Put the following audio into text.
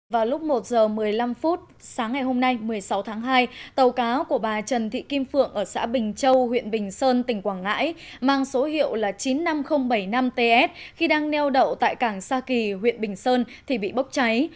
vào lúc một h một mươi năm sáng ngày hôm nay một mươi sáu tháng hai tàu cá của bà trần thị kim phượng ở xã bình châu huyện bình sơn tỉnh quảng ngãi mang số hiệu là chín mươi năm nghìn bảy mươi năm ts khi đang neo đậu tại cảng sa kỳ huyện bình sơn thì bị bốc cháy